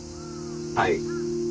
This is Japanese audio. はい。